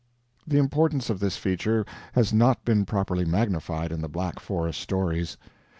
The importance of this feature has not been properly magnified in the Black Forest stories.